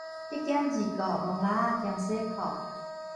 一兼二顧，摸蜊仔兼洗褲